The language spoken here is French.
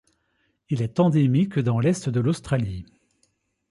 Il est endémique dans l'est de l'Australie.